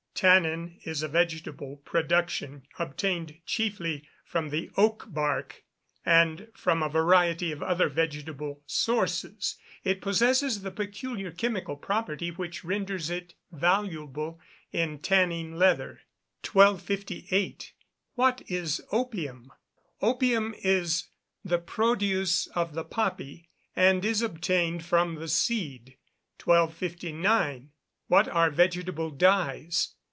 _ Tannin is a vegetable production, obtained chiefly from the oak bark, and from a variety of other vegetable sources. It possesses the peculiar chemical property which renders it valuable in tanning leather. 1258. What is opium? Opium is the produce of the poppy, and is obtained from the seed. 1259. _What are vegetable dyes?